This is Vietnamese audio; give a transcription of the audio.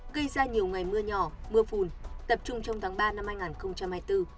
gây ra nhiều ngày mưa nhỏ mưa phùn tập trung trong tháng ba năm hai nghìn hai mươi bốn